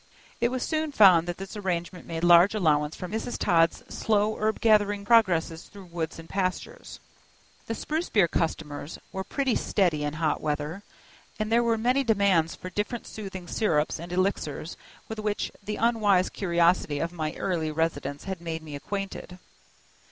It was soon found that this arrangement made large allowance for Mrs. Todd's slow herb gathering progresses through woods and pastures. The spruce beer customers were pretty steady in hot weather, and there were many demands for different soothing syrups and elixirs with which the unwise curiosity of my early residence had made me acquainted.